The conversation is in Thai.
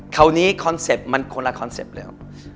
คราวนี้คอนเซ็ปต์มันคนละคอนเซ็ปต์แล้ว